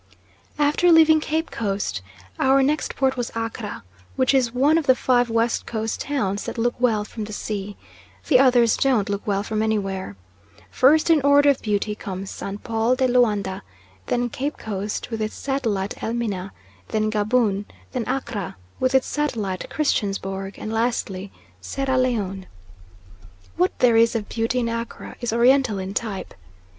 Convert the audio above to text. After leaving Cape Coast our next port was Accra which is one of the five West Coast towns that look well from the sea. The others don't look well from anywhere. First in order of beauty comes San Paul de Loanda; then Cape Coast with its satellite Elmina, then Gaboon, then Accra with its satellite Christiansborg, and lastly, Sierra Leone. What there is of beauty in Accra is oriental in type.